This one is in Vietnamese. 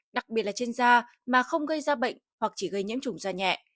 đặc biệt là trên da mà không gây ra bệnh hoặc chỉ gây nhiễm chủng da nhẹ